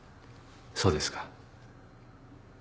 そうですか。